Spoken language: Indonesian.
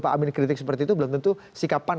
pak amin kritik seperti itu belum tentu sikapan